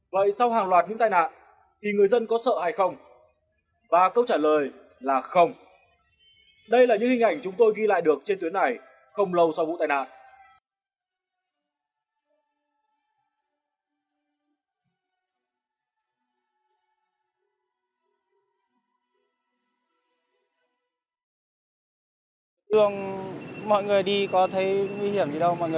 vậy sau hàng loạt những tai nạn thì người dân có sợ hay không